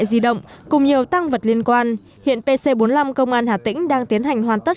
di động cùng nhiều tăng vật liên quan hiện pc bốn mươi năm công an hà tĩnh đang tiến hành hoàn tất